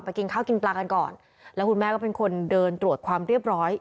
กินข้าวกินปลากันก่อนแล้วคุณแม่ก็เป็นคนเดินตรวจความเรียบร้อย